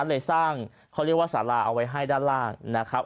เลยสร้างเขาเรียกว่าสาราเอาไว้ให้ด้านล่างนะครับ